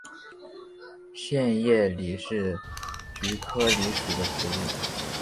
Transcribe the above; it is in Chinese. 线叶蓟是菊科蓟属的植物。